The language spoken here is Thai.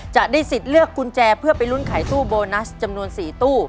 จะได้สิทธิ์เลือกกุญแจเพื่อไปลุ้นขายตู้โบนัสจำนวน๔ตู้